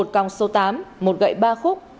một còng số tám một gậy ba khúc